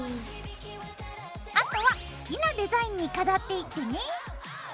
あとは好きなデザインに飾っていってね。